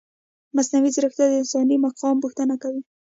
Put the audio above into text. مصنوعي ځیرکتیا د انساني مقام پوښتنه تازه کوي.